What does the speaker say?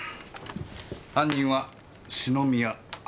犯人は篠宮彬。